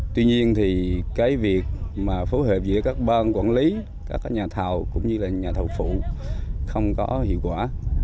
tuy nhiên việc phối hợp giữa các ban quản lý các nhà thầu cũng như nhà thầu phụ không có hiệu quả